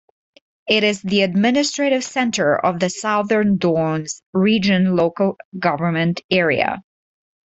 It is the administrative centre of the Southern Downs Region local government area.